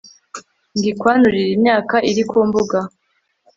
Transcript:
ngo ikwanurire imyaka iri ku mbuga